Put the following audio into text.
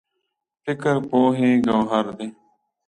فکر پوهې ګوهر دی.